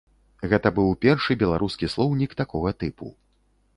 Гэта быў першы беларускі слоўнік такога тыпу.